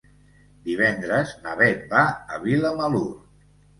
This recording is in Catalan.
Divendres na Beth va a Vilamalur.